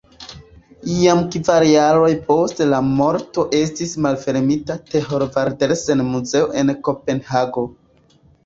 Jam kvar jarojn post la morto estis malfermita Thorvaldsen-muzeo en Kopenhago.